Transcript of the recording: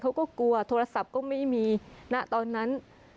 เขาก็กลัวโทรศัพท์ก็ไม่มีณตอนนั้น